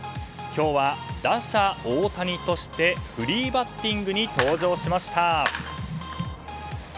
今日は打者・大谷としてフリーバッティングに登場しました。